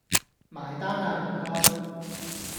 埋單呀唔該